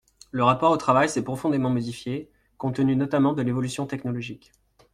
Le rapport au travail s’est profondément modifié, compte tenu notamment de l’évolution technologique.